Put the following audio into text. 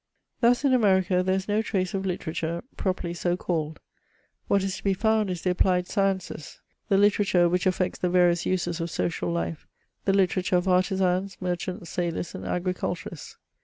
Thus, in America there is no trace of literature, properly so called ; what is to be found is the applied sciences, the literature which affects the various uses of socisd life ; the literature of ard zans, merchants, sailors, and agriculturists.